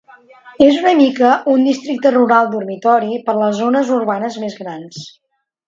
És una mica un districte rural dormitori per a les zones urbanes més grans.